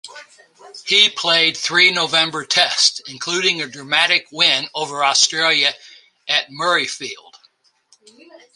He played three November Tests, including a dramatic win over Australia at Murrayfield.